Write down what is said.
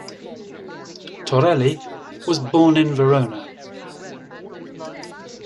Torelli was born in Verona.